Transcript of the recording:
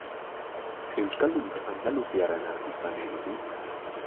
Euskaldunik andaluziarrena izan nahi duzu?